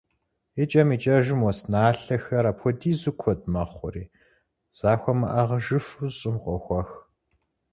ИкӀэм икӀэжым, уэс налъэхэр апхуэдизу куэд мэхъури, захуэмыӀыгъыжыфу, щӀым къохуэх.